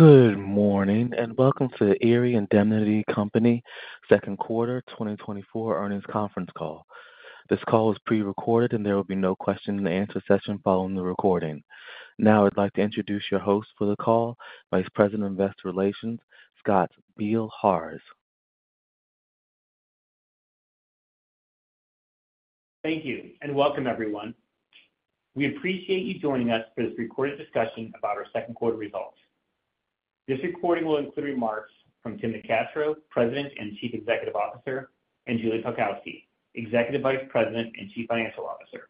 Good morning, and welcome to the Erie Indemnity Company Second Quarter 2024 Earnings Conference Call. This call is prerecorded, and there will be no question-and-answer session following the recording. Now I'd like to introduce your host for the call, Vice President of Investor Relations, Scott Beilharz. Thank you, and welcome, everyone. We appreciate you joining us for this recorded discussion about our second quarter results. This recording will include remarks from Tim NeCastro, President and Chief Executive Officer, and Julie Pelkowski, Executive Vice President and Chief Financial Officer.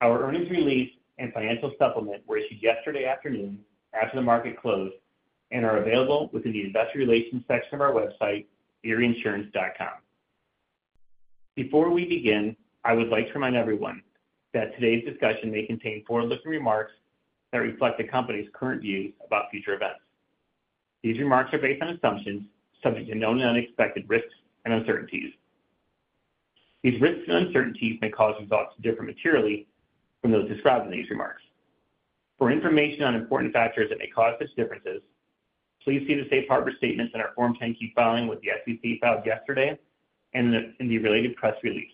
Our earnings release and financial supplement were issued yesterday afternoon after the market closed and are available within the Investor Relations section of our website, erieinsurance.com. Before we begin, I would like to remind everyone that today's discussion may contain forward-looking remarks that reflect the company's current views about future events. These remarks are based on assumptions subject to known and unexpected risks and uncertainties. These risks and uncertainties may cause results to differ materially from those described in these remarks. For information on important factors that may cause such differences, please see the safe harbor statements in our Form 10-K filing with the SEC filed yesterday and in the related press release.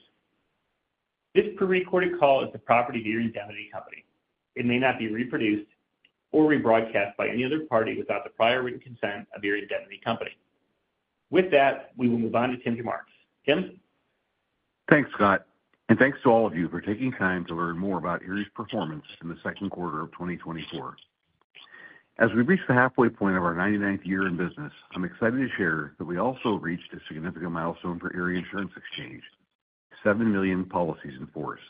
This prerecorded call is the property of the Indemnity Company. It may not be reproduced or rebroadcast by any other party without the prior written consent of the Indemnity Company. With that, we will move on to Tim's remarks. Tim? Thanks, Scott, and thanks to all of you for taking time to learn more about Erie's performance in the second quarter of 2024. As we reach the halfway point of our 99th year in business, I'm excited to share that we also reached a significant milestone for Erie Insurance Exchange, 7 million policies in force.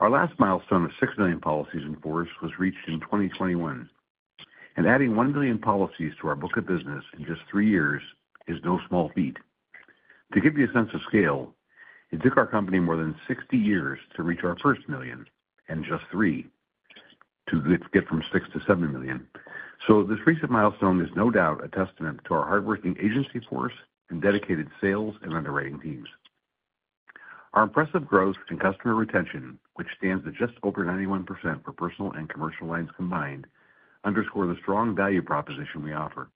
Our last milestone of 6 million policies in force was reached in 2021, and adding 1 million policies to our book of business in just 3 years is no small feat. To give you a sense of scale, it took our company more than 60 years to reach our first million and just three to get from 6 million-7 million. So this recent milestone is no doubt a testament to our hardworking agency force and dedicated sales and underwriting teams. Our impressive growth and customer retention, which stands at just over 91% for personal and commercial lines combined, underscore the strong value proposition we offer.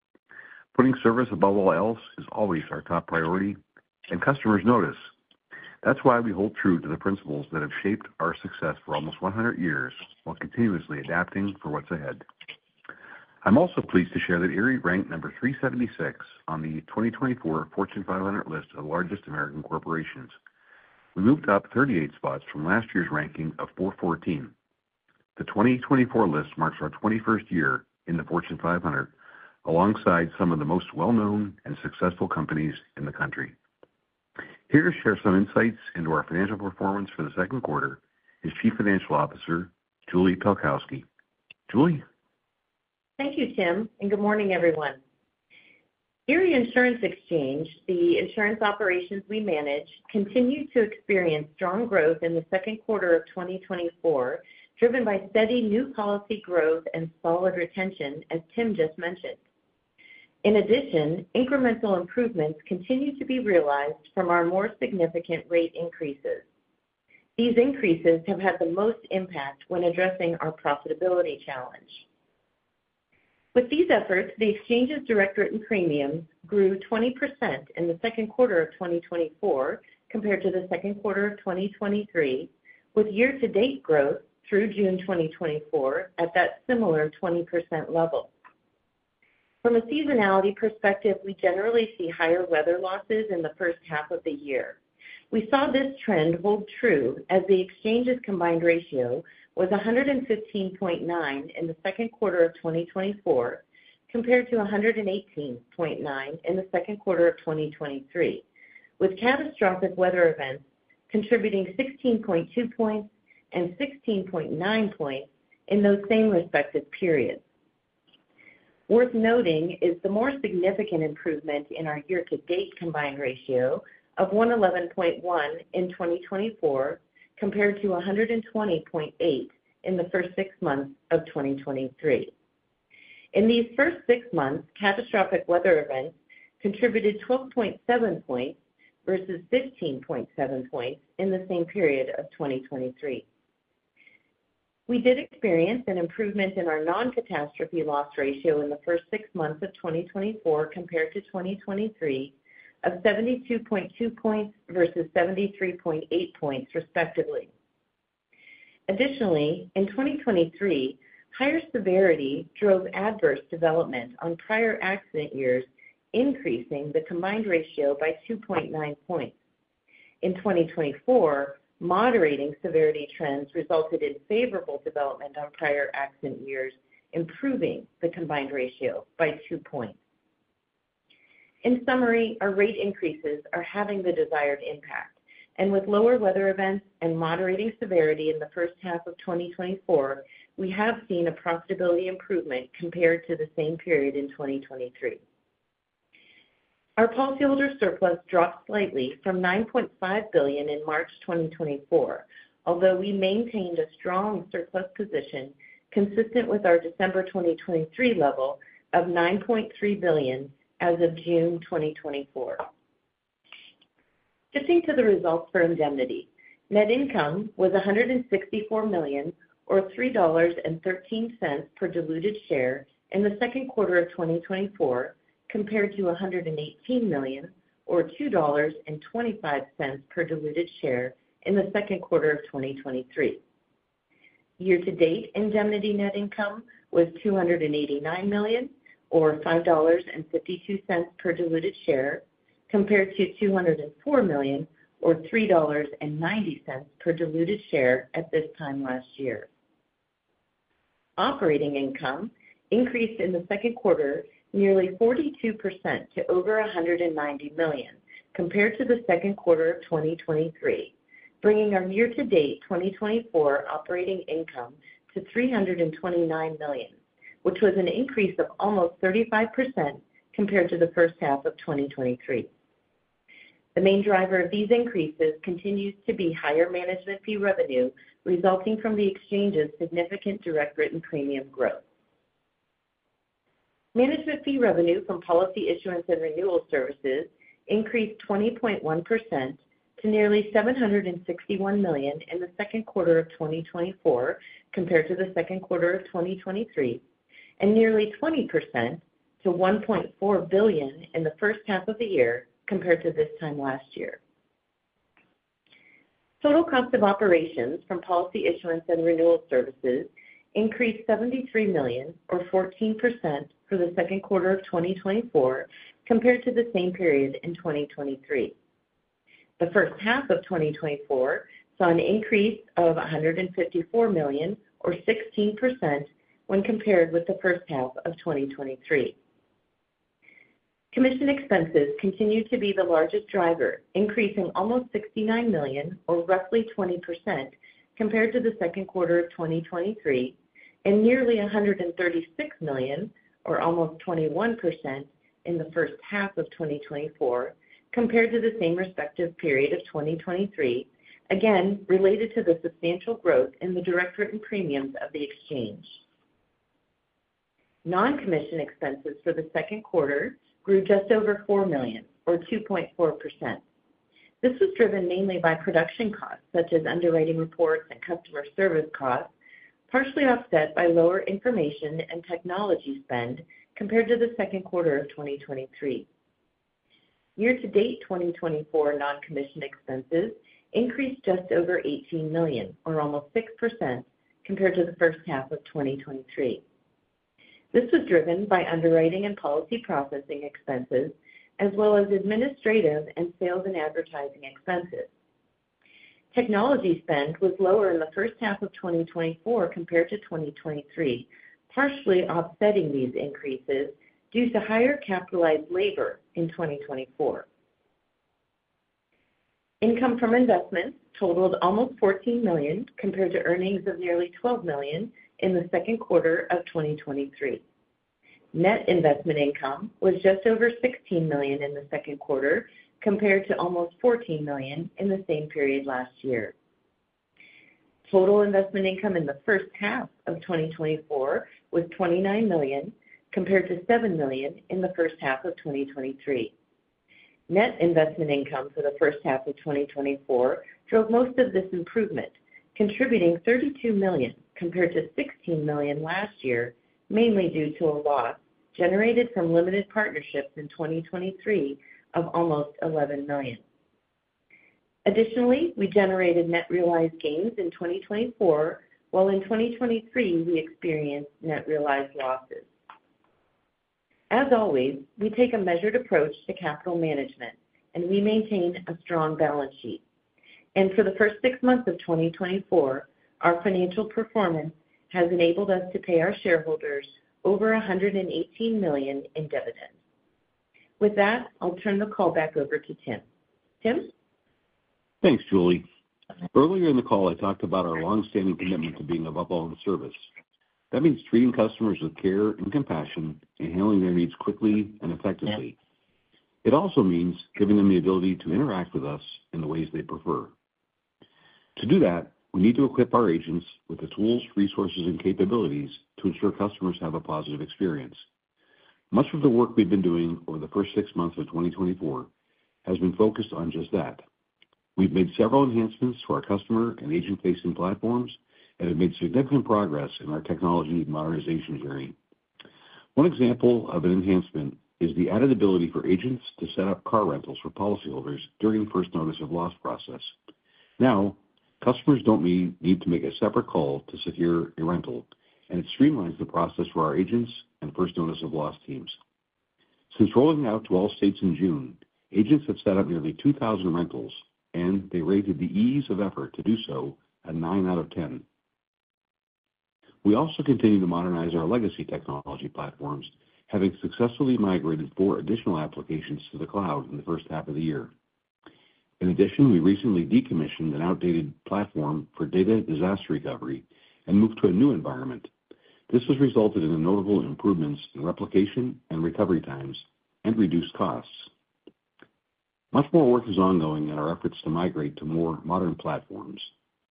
Putting service above all else is always our top priority, and customers notice. That's why we hold true to the principles that have shaped our success for almost 100 years, while continuously adapting for what's ahead. I'm also pleased to share that Erie ranked number 376 on the 2024 Fortune 500 list of largest American corporations. We moved up 38 spots from last year's ranking of 414. The 2024 list marks our 21st year in the Fortune 500, alongside some of the most well-known and successful companies in the country. Here to share some insights into our financial performance for the second quarter is Chief Financial Officer Julie Pelkowski. Julie? Thank you, Tim, and good morning, everyone. Erie Insurance Exchange, the insurance operations we manage, continued to experience strong growth in the second quarter of 2024, driven by steady new policy growth and solid retention, as Tim just mentioned. In addition, incremental improvements continue to be realized from our more significant rate increases. These increases have had the most impact when addressing our profitability challenge. With these efforts, the Exchange's direct written premiums grew 20% in the second quarter of 2024 compared to the second quarter of 2023, with year-to-date growth through June 2024 at that similar 20% level. From a seasonality perspective, we generally see higher weather losses in the first half of the year. We saw this trend hold true as the Exchange's combined ratio was 115.9 in the second quarter of 2024, compared to 118.9 in the second quarter of 2023, with catastrophic weather events contributing 16.2 points and 16.9 points in those same respective periods. Worth noting is the more significant improvement in our year-to-date combined ratio of 111.1 in 2024, compared to 120.8 in the first 6 months of 2023. In these first six months, catastrophic weather events contributed 12.7 points versus 15.7 points in the same period of 2023. We did experience an improvement in our non-catastrophe loss ratio in the first six months of 2024 compared to 2023 of 72.2 points versus 73.8 points, respectively. Additionally, in 2023, higher severity drove adverse development on prior accident years, increasing the combined ratio by 2.9 points. In 2024, moderating severity trends resulted in favorable development on prior accident years, improving the combined ratio by 2 points. In summary, our rate increases are having the desired impact, and with lower weather events and moderating severity in the first half of 2024, we have seen a profitability improvement compared to the same period in 2023. Our policyholder surplus dropped slightly from $9.5 billion in March 2024, although we maintained a strong surplus position consistent with our December 2023 level of $9.3 billion as of June 2024. Shifting to the results for Indemnity. Net income was $164 million, or $3.13 per diluted share in the second quarter of 2024, compared to $118 million, or $2.25 per diluted share in the second quarter of 2023. Year-to-date, Indemnity net income was $289 million, or $5.52 per diluted share, compared to $204 million, or $3.90 per diluted share at this time last year. Operating income increased in the second quarter, nearly 42% to over $190 million compared to the second quarter of 2023, bringing our year-to-date 2024 operating income to $329 million, which was an increase of almost 35% compared to the first half of 2023. The main driver of these increases continues to be higher management fee revenue, resulting from the Exchange's significant direct written premium growth. Management fee revenue from policy issuance and renewal services increased 20.1% to nearly $761 million in the second quarter of 2024 compared to the second quarter of 2023, and nearly 20% to $1.4 billion in the first half of the year compared to this time last year. Total cost of operations from policy issuance and renewal services increased $73 million or 14% for the second quarter of 2024 compared to the same period in 2023. The first half of 2024 saw an increase of $154 million or 16% when compared with the first half of 2023. Commission expenses continued to be the largest driver, increasing almost $69 million, or roughly 20% compared to the second quarter of 2023, and nearly $136 million, or almost 21%, in the first half of 2024 compared to the same respective period of 2023, again, related to the substantial growth in the direct written premiums of the Exchange. Non-commission expenses for the second quarter grew just over $4 million, or 2.4%. This was driven mainly by production costs, such as underwriting reports and customer service costs, partially offset by lower information and technology spend compared to the second quarter of 2023. Year-to-date, 2024 non-commission expenses increased just over $18 million, or almost 6% compared to the first half of 2023. This was driven by underwriting and policy processing expenses, as well as administrative and sales and advertising expenses. Technology spend was lower in the first half of 2024 compared to 2023, partially offsetting these increases due to higher capitalized labor in 2024. Income from investments totaled almost $14 million, compared to earnings of nearly $12 million in the second quarter of 2023. Net investment income was just over $16 million in the second quarter, compared to almost $14 million in the same period last year. Total investment income in the first half of 2024 was $29 million, compared to $7 million in the first half of 2023. Net investment income for the first half of 2024 drove most of this improvement, contributing $32 million compared to $16 million last year, mainly due to a loss generated from limited partnerships in 2023 of almost $11 million. Additionally, we generated net realized gains in 2024, while in 2023 we experienced net realized losses. As always, we take a measured approach to capital management, and we maintain a strong balance sheet. For the first six months of 2024, our financial performance has enabled us to pay our shareholders over $118 million in dividends. With that, I'll turn the call back over to Tim. Tim? Thanks, Julie. Earlier in the call, I talked about our long-standing commitment to being above all in service. That means treating customers with care and compassion and handling their needs quickly and effectively. It also means giving them the ability to interact with us in the ways they prefer. To do that, we need to equip our agents with the tools, resources, and capabilities to ensure customers have a positive experience. Much of the work we've been doing over the first six months of 2024 has been focused on just that. We've made several enhancements to our customer and agent-facing platforms, and have made significant progress in our technology modernization journey. One example of an enhancement is the added ability for agents to set up car rentals for policyholders during the first notice of loss process. Now, customers don't need to make a separate call to secure a rental, and it streamlines the process for our agents and First Notice of Loss teams. Since rolling out to all states in June, agents have set up nearly 2,000 rentals, and they rated the ease of effort to do so a 9 out of 10. We also continue to modernize our legacy technology platforms, having successfully migrated 4 additional applications to the cloud in the first half of the year. In addition, we recently decommissioned an outdated platform for data disaster recovery and moved to a new environment. This has resulted in notable improvements in replication and recovery times and reduced costs. Much more work is ongoing in our efforts to migrate to more modern platforms,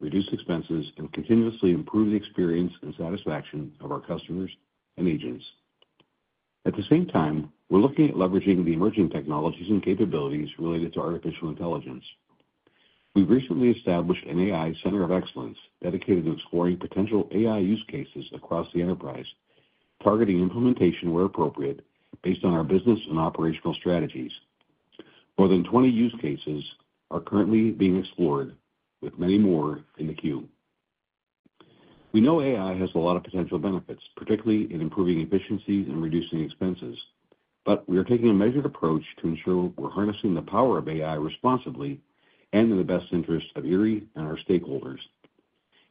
reduce expenses, and continuously improve the experience and satisfaction of our customers and agents. At the same time, we're looking at leveraging the emerging technologies and capabilities related to artificial intelligence. We recently established an AI center of excellence dedicated to exploring potential AI use cases across the enterprise, targeting implementation where appropriate, based on our business and operational strategies. More than 20 use cases are currently being explored, with many more in the queue. We know AI has a lot of potential benefits, particularly in improving efficiency and reducing expenses, but we are taking a measured approach to ensure we're harnessing the power of AI responsibly and in the best interest of Erie and our stakeholders,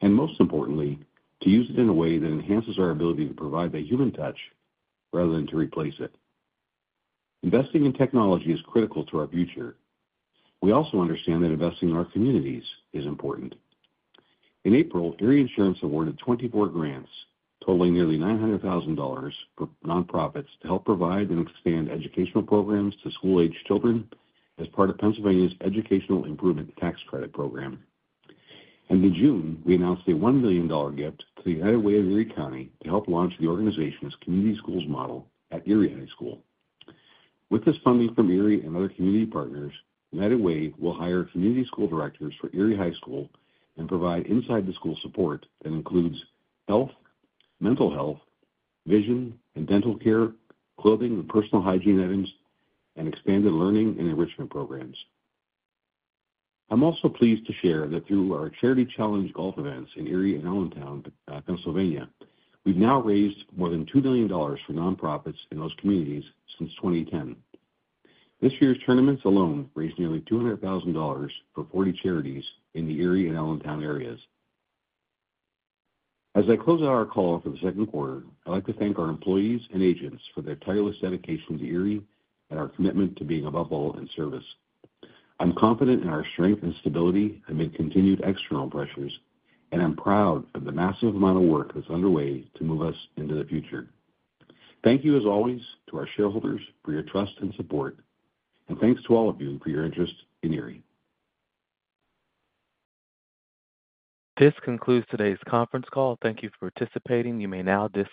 and most importantly, to use it in a way that enhances our ability to provide a human touch rather than to replace it. Investing in technology is critical to our future. We also understand that investing in our communities is important. In April, Erie Insurance awarded 24 grants, totaling nearly $900,000 for nonprofits to help provide and expand educational programs to school-aged children as part of Pennsylvania's Educational Improvement Tax Credit Program. In June, we announced a $1 million gift to the United Way of Erie County to help launch the organization's Community Schools Model at Erie High School. With this funding from Erie and other community partners, United Way will hire community school directors for Erie High School and provide inside the school support that includes health, mental health, vision, and dental care, clothing and personal hygiene items, and expanded learning and enrichment programs. I'm also pleased to share that through our Charity Challenge golf events in Erie and Allentown, Pennsylvania, we've now raised more than $2 million for nonprofits in those communities since 2010. This year's tournaments alone raised nearly $200,000 for 40 charities in the Erie and Allentown areas. As I close out our call for the second quarter, I'd like to thank our employees and agents for their tireless dedication to Erie and our commitment to being above all in service. I'm confident in our strength and stability amid continued external pressures, and I'm proud of the massive amount of work that's underway to move us into the future. Thank you, as always, to our shareholders for your trust and support, and thanks to all of you for your interest in Erie. This concludes today's conference call. Thank you for participating. You may now disconnect.